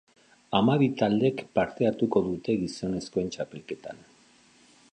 Hamabi taldek parte hartuko dute gizonezkoen txapelketan.